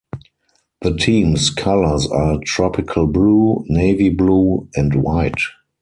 The team's colors are tropical blue, navy blue, and white.